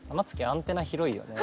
アンテナ広いよね。